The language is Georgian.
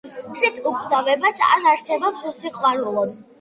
თვით უკვდავებაც არ არსებობს უსიყვარულოდ!